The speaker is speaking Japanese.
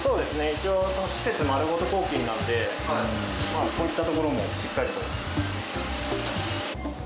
一応施設丸ごと抗菌なのでこういった所もしっかりと。